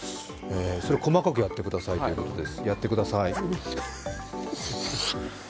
それを細かくやってくださいということです。